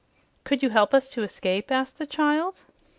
"Could you help us to escape?" asked the child.